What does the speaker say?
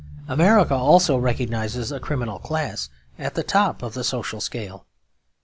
America also recognises a criminal class at the top of the social scale.